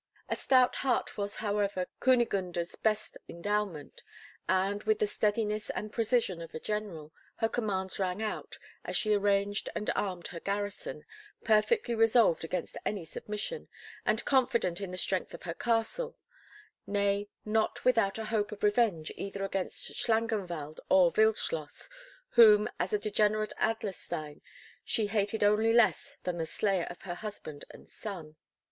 A stout heart was however Kunigunde's best endowment; and, with the steadiness and precision of a general, her commands rang out, as she arranged and armed her garrison, perfectly resolved against any submission, and confident in the strength of her castle; nay, not without a hope of revenge either against Schlangenwald or Wildschloss, whom, as a degenerate Adlerstein, she hated only less than the slayer of her husband and son.